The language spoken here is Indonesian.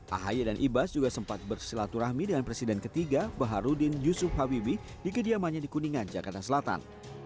ahaye dan ibas juga sempat bersilaturahmi dengan presiden ketiga baharudin yusuf habibie di kediamannya di kuningan jakarta selatan